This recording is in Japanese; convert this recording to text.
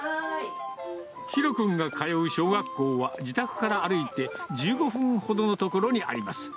紘君が通う小学校は、自宅から歩いて１５ほどの所にあります。